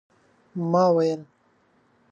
ما ویل